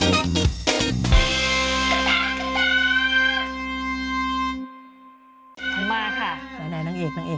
อเจมส์มาค่ะ